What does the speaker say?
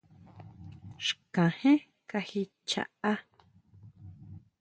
Xkajén kají chjaá.